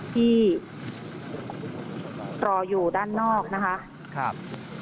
ที่ตรออยู่ด้านนอกน่ะคะครับ